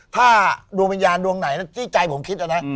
ถ้าดวงวิญญาณดวงไหนที่ใจผมคิดนะ